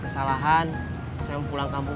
kesalahan saya mau pulang kampung